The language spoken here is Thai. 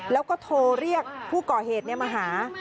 แล้วก็โทรเรียกผู้ก่อเหตุมาหา